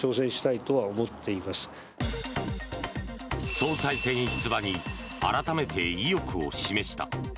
総裁選出馬に改めて意欲を示した。